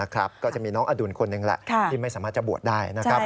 ก็จะมีน้องอดุลคนหนึ่งแหละที่ไม่สามารถจะบวชได้นะครับ